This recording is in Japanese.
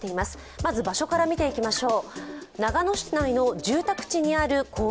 まず場所から見ていきましょう。